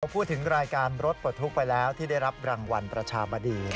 พูดถึงรายการรถปลดทุกข์ไปแล้วที่ได้รับรางวัลประชาบดี